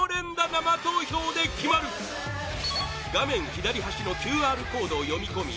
生投票で決まる画面左端のＱＲコードを読み込み